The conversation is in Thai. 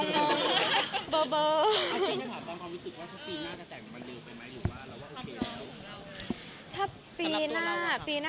ก็บอกว่าเซอร์ไพรส์ไปค่ะ